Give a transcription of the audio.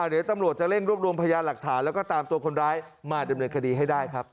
เดี๋ยวตำรวจจะเร่งรวบรวมพยานหลักฐานแล้วก็ตามตัวคนร้ายมาดำเนินคดีให้ได้ครับ